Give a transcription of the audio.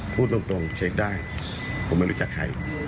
พูดตรงเช็คได้ผมไม่รู้จักใคร